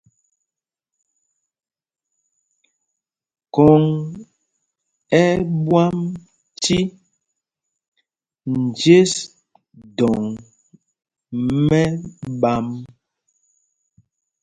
Khôŋ ɛ́ ɛ́ ɓwam cī njes dɔ̌ŋ mɛ̄ɓām.